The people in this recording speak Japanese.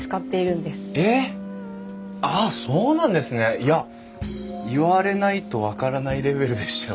いや言われないと分からないレベルでしたよ。